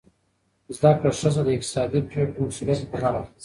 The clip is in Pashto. زده کړه ښځه د اقتصادي پریکړو مسؤلیت پر غاړه اخلي.